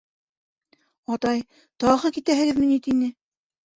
— Атай, тағы китәһегеҙме ни? — тине.